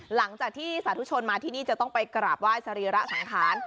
หลังจากที่สาธุชนมาที่นี่จะต้องไปกราบไหว้สรีระสังขาร